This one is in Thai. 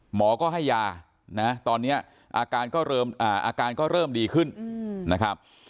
หมอก็ให้ยาตอนนี้อาการก็เริ่มดีขึ้นนะครับ